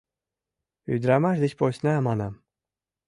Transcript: Ӱдырамаш деч посна, манам.